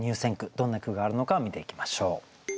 どんな句があるのか見ていきましょう。